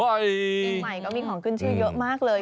เชียงใหม่ก็มีของขึ้นชื่อเยอะมากเลย